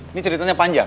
ini ceritanya panjang